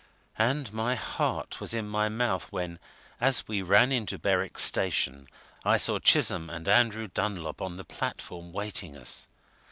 And my heart was in my mouth when, as we ran into Berwick station, I saw Chisholm and Andrew Dunlop on the platform waiting us.